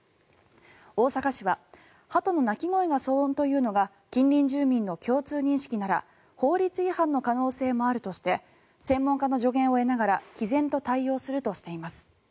大阪市はハトの鳴き声が騒音というのが近隣住民の共通認識なら法律違反の可能性もあるとして専門家の助言を得ながらきぜんと対応するとしています。